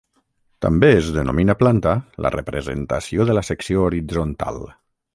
També es denomina planta la representació de la secció horitzontal.